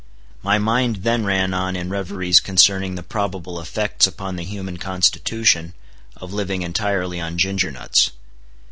My mind then ran on in reveries concerning the probable effects upon the human constitution of living entirely on ginger nuts.